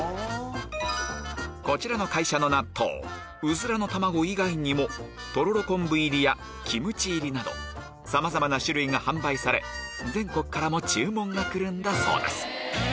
こちらの会社の納豆ウズラの卵以外にもとろろ昆布入りやキムチ入りなどさまざまな種類が販売され全国からも注文が来るんだそうです